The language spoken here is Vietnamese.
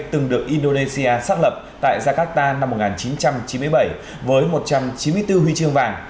từng được indonesia xác lập tại jakarta năm một nghìn chín trăm chín mươi bảy với một trăm chín mươi bốn huy chương vàng